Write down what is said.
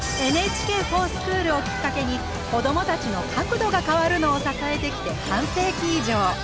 「ＮＨＫｆｏｒＳｃｈｏｏｌ」をきっかけに子どもたちの「かくど」が変わるのを支えてきて半世紀以上。